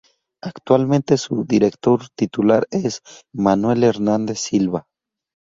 Actualmente su director titular es Manuel Hernández-Silva.